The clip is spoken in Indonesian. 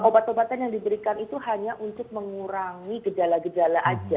obat obatan yang diberikan itu hanya untuk mengurangi gejala gejala saja